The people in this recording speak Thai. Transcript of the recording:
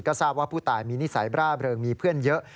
ก็ทราบว่าผู้ตายมีนิสัยบร่าเริงมีเพื่อนเยอะ